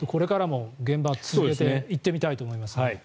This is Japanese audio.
これからも現場は続けて行ってみたいと思います。